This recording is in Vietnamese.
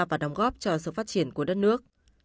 và đóng góp cho sự phát triển của đất nước